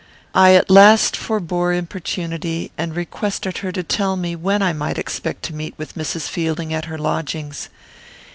I at last forbore importunity, and requested her to tell me when I might expect to meet with Mrs. Fielding at her lodgings.